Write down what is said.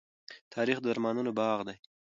تاریخ د ارمانونو باغ دی.